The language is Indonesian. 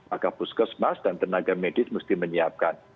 maka puskesmas dan tenaga medis mesti menyiapkan